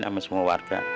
sama semua warga